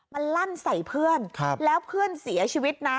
มันลั่นใส่เพื่อนแล้วเพื่อนเสียชีวิตนะ